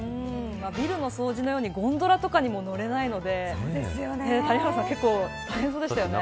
ビルの掃除のようにゴンドラとかにも乗れないので谷原さん結構、大変そうでしたね。